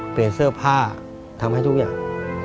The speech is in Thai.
เปลี่ยนเสื้อผ้าทำให้ทุกอย่าง